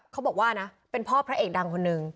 เขาบอกว่านะเป็นพ่อพระเอกดังคนนึง